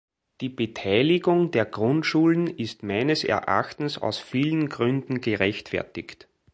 Die Beteiligung der Grundschulen ist meines Erachtens aus vielen Gründen gerechtfertigt.